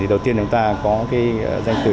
thì đầu tiên chúng ta có cái danh tử